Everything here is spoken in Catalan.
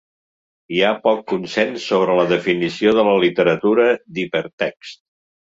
Hi ha poc consens sobre la definició de la literatura d'hipertext.